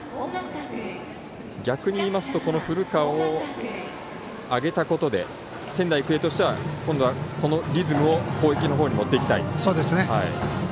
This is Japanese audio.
逆に言いますと古川を上げたことで仙台育英としては今度はリズムを攻撃の方に持っていきたい。